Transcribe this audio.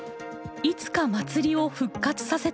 いつか祭りを復活させたい。